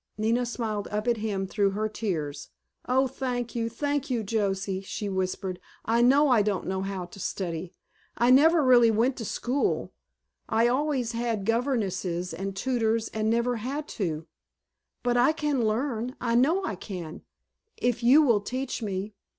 Nina smiled up at him through her tears. "Oh, thank you, thank you, Joesy," she whispered. "I know I don't know how to study. I never really went to school, I always had governesses and tutors and never had to. But I can learn—I know I can—if you will teach me."